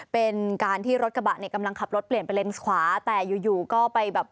เป็นการที่รถกระบะเนี่ยกำลังขับรถเปลี่ยนไปเลนขวาแต่อยู่อยู่ก็ไปแบบ